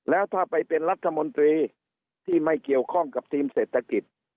แล้วถ้าไปเป็นรัฐมนตรีที่ไม่เกี่ยวข้องกับทีมเศรษฐกิจ